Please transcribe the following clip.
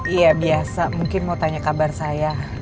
iya biasa mungkin mau tanya kabar saya